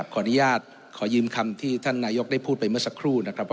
ขออนุญาตขอยืมคำที่ท่านนายกได้พูดไปเมื่อสักครู่นะครับ